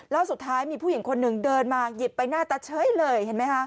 แล้วสุดท้ายมีผู้หญิงคนนึงเดินมาหยิบไปหน้าตาเช้าเลย